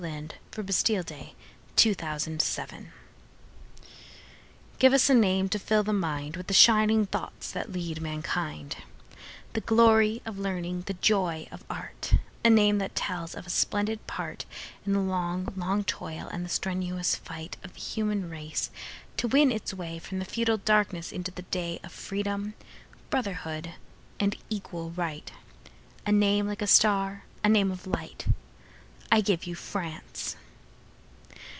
1917. Henry van Dyke The Name of France GIVE us a name to fill the mindWith the shining thoughts that lead mankind, The glory of learning, the joy of art,—A name that tells of a splendid partIn the long, long toil and the strenuous fightOf the human race to win its wayFrom the feudal darkness into the dayOf Freedom, Brotherhood, Equal Right,—A name like a star, a name of light.I give you France!